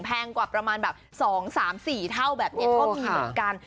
แพงกว่าประมาณแบบ๒๓๔เท่าแบบนี้ก็มีเหมือนกัน